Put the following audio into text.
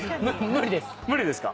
無理ですか？